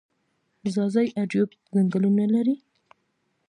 ځاځي اریوب ځنګلونه لري؟